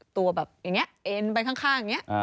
ตัวแบบอย่างนี้เอ็นไปข้างอย่างนี้